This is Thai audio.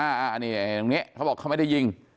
อันนี้ตรงนี้เขาบอกเขาไม่ได้ยิง